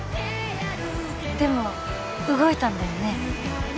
でも動いたんだよね？